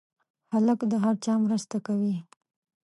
هلک د هر چا مرسته کوي.